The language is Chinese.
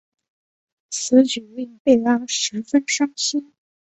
此举令贝拉十分伤心。